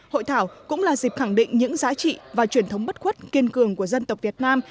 hội thảo cũng là dịp khẳng định những giá trị và truyền thống bất khuất kiên cường của dân tộc việt nam